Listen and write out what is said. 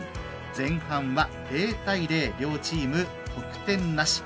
前半は０対０両チーム得点なし。